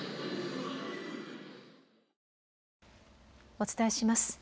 お伝えします。